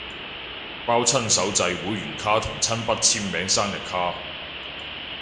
包親手製會員卡同親筆簽名生日卡